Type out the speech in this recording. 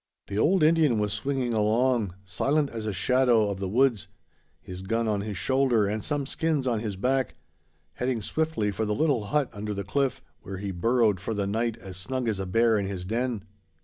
The old Indian was swinging along, silent as a shadow of the woods, his gun on his shoulder and some skins on his back, heading swiftly for the little hut under the cliff, where he burrowed for the night as snug as a bear in his den.